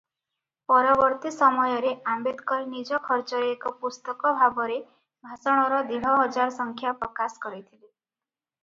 ପରବର୍ତ୍ତୀ ସମୟରେ ଆମ୍ବେଦକର ନିଜ ଖର୍ଚ୍ଚରେ ଏକ ପୁସ୍ତକ ଭାବରେ ଭାଷଣର ଦେଢ଼ହଜାର ସଂଖ୍ୟା ପ୍ରକାଶ କରିଥିଲେ ।